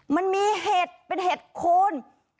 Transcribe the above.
มันมีเหตุเป็นเหตุคน